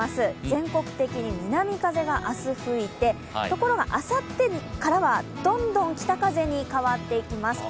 全国的に南風が明日、吹いてところがあさってからはどんどん北風に変わっていきます。